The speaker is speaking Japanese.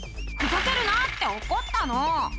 「ふざけるな！」って怒ったの。